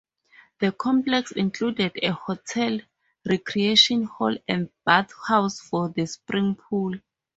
The complex included a hotel, recreation hall and bathhouse for the spring pool.